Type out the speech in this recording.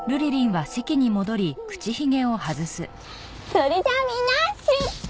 それじゃあみんな出発！